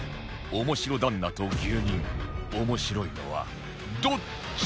おもしろ旦那と芸人面白いのはどっち？